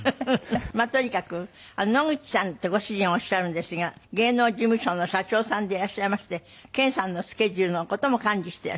まあとにかく野口さんってご主人おっしゃるんですが芸能事務所の社長さんでいらっしゃいまして研さんのスケジュールの事も管理してらっしゃるの？